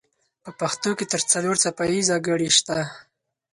په پښتو کې تر څلور څپه ایزه ګړې شته.